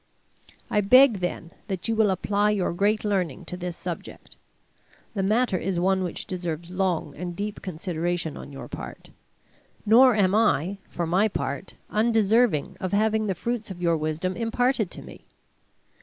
I beg, then, that you will apply your great learning to this subject. The matter is one which deserves long and deep consideration on your part; nor am I, for my part, undeserving of having the fruits of your wisdom imparted to me.